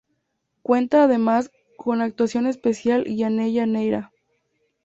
Cuenta además con actuación especial Gianella Neyra.